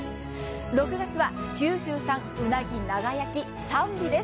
６月は九州産うなぎ長焼き３尾です。